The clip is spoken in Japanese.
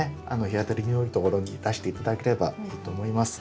日当たりのよいところに出して頂ければいいと思います。